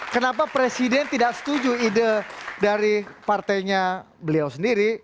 kenapa presiden tidak setuju ide dari partainya beliau sendiri